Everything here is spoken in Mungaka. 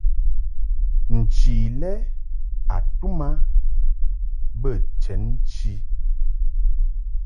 Nchi lɛ a tum a bə chenchi.